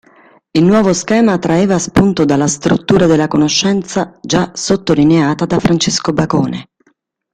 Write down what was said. Il nuovo schema traeva spunto dalla struttura della conoscenza già sottolineata da Francesco Bacone.